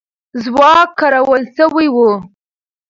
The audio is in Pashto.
ځواک کارول سوی وو.